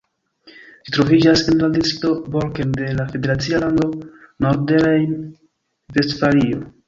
Ĝi troviĝas en la distrikto Borken de la federacia lando Nordrejn-Vestfalio.